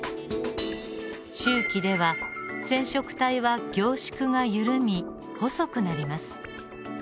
終期では染色体は凝縮が緩み細くなります。